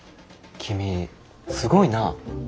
君すごいな。